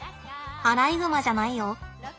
アライグマじゃないよ。